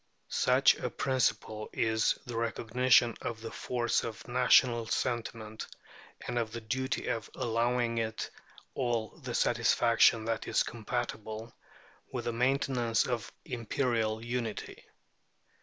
Such a principle is the recognition of the force of national sentiment, and of the duty of allowing it all the satisfaction that is compatible with the maintenance of imperial unity.